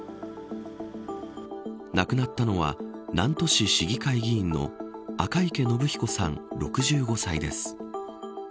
亡くなったのは南砺市市議会議員の赤池伸彦さん６５歳です。